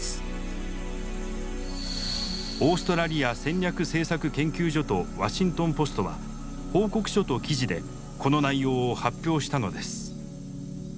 オーストラリア戦略政策研究所とワシントン・ポストは報告書と記事でこの内容を発表したのです。